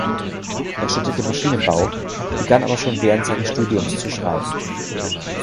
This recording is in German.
Er studierte Maschinenbau, begann aber schon während seines Studiums zu schreiben.